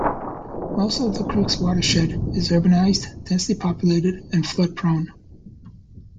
Most of the creek's watershed is urbanized, densely populated and flood-prone.